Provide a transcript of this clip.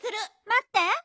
まって！